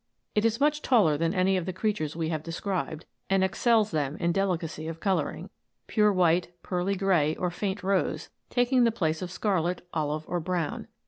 It is much taller than any of the creatures we have described, and excels them in delicacy of colouring ; pure white, pearly grey, or faint rose, taking the place of scarlet, olive, or brown.